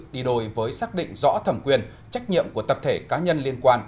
đi đôi với xác định rõ thẩm quyền trách nhiệm của tập thể cá nhân liên quan